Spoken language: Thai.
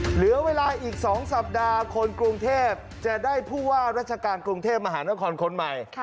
เหลือเวลาอีก๒สัปดาห์คนกรุงเทพจะได้ผู้ว่าราชการกรุงเทพมหานครคนใหม่